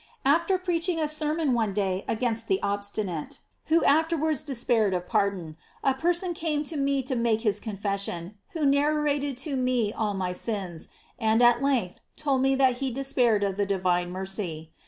After preaching a sermon one day against the obstinate, who afterwards despair of pardon, a person came to me to make his confession, who narrated to me all my sins, and at length told me that he despaired of the divine mercy.